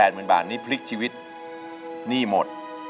หมื่นบาทนี้พลิกชีวิตหนี้หมด